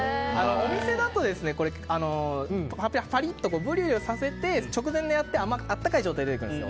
お店だとパリッとブリュレさせて直前にやって温かい状態で出てくるんです。